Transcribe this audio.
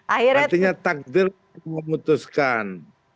akhirnya takdir memutuskan